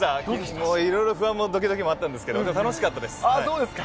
もういろいろ不安もどきどきもあったんですけど、でも楽しかったそうですか。